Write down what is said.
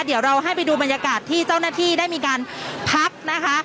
เดี๋ยวเราให้ไปดูบรรยากาศที่เจ้าหน้าที่ได้มีการพักนะคะ